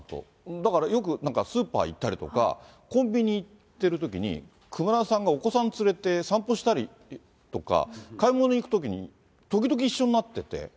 だからよく、なんかスーパー行ったりとか、コンビニ行ってるときに、熊田さんがお子さん連れて散歩したりとか、買い物行くときに時々一緒になってて。